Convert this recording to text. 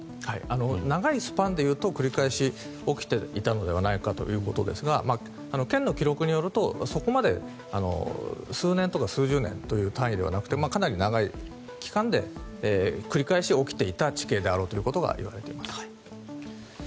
長いスパンでいうと繰り返し起きていたのではないかということですが県の記録によると数年とか数十年という単位ではなくてかなり長い期間で繰り返し起きていた地形であろうということはいわれています。